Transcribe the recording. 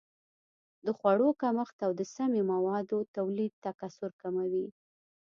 د خوړو کمښت او د سمي موادو تولید تکثر کموي.